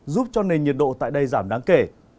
giúp cho nền nhiệt độ tại đây giảm đáng kể